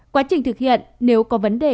quá trình thực hiện nếu có vấn đề